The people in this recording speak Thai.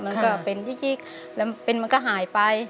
มันก็ยิ๊กและมันก็หายไป